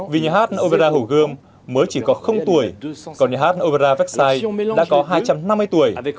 vì nhà hát opera hồ gươm mới chỉ có tuổi còn nhà hát opera vecsai đã có hai trăm năm mươi tuổi